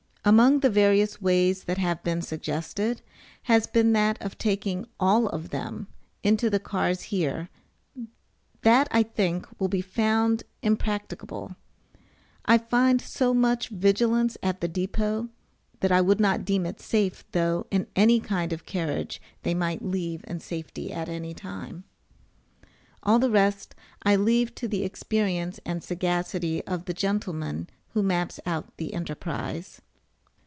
Among the various ways that have been suggested, has been that of taking all of them into the cars here; that, I think, will be found impracticable. I find so much vigilance at the depot, that I would not deem it safe, though, in any kind of carriage they might leave in safety at any time. All the rest I leave to the experience and sagacity of the gentleman who maps out the enterprise.